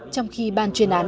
trong khi ban chuyên án